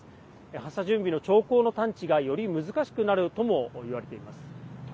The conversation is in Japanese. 発射準備の兆候の探知がより難しくなるともいわれています。